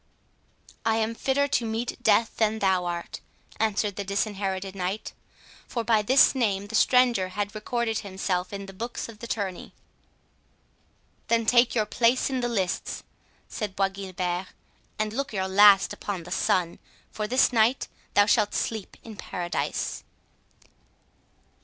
"I am fitter to meet death than thou art" answered the Disinherited Knight; for by this name the stranger had recorded himself in the books of the tourney. "Then take your place in the lists," said Bois Guilbert, "and look your last upon the sun; for this night thou shalt sleep in paradise."